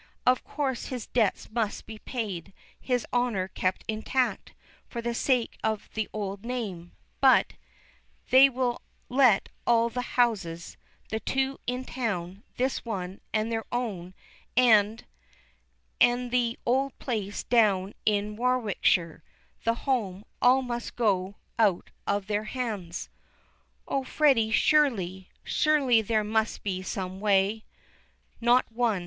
Of course his debts must be paid, his honor kept intact, for the sake of the old name, but they will let all the houses, the two in town, this one, and their own, and and the old place down in Warwickshire, the home, all must go out of their hands." "Oh, Freddy, surely surely there must be some way " "Not one.